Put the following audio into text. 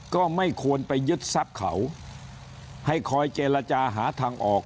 ก็ไม่ควรไปยึดทรัพย์เขาให้คอยเจรจาหาทางออก